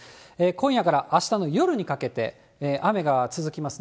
今夜からあしたの夜にかけて、雨が続きます。